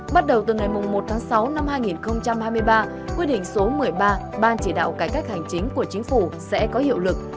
bắt đầu từ ngày một tháng sáu năm hai nghìn hai mươi ba quy định số một mươi ba ban chỉ đạo cải cách hành chính của chính phủ sẽ có hiệu lực